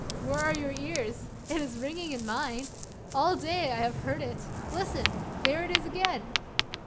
where are your ears? It is ringing in mine. All day I have heard it. Listen! there it is again!"